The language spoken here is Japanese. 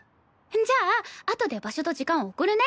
じゃああとで場所と時間送るね。